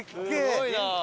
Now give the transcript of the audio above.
すごいな。